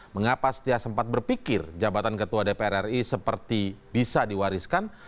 mengapa setia sempat berpikir jabatan ketua dpr ri seperti bisa diwariskan